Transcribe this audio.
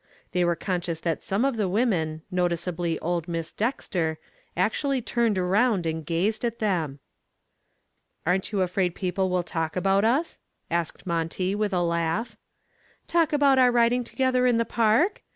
They were conscious that some of the women, noticeably old Miss Dexter, actually turned around and gazed at them. "Aren't you afraid people will talk about us?" asked Monty with a laugh. "Talk about our riding together in the park?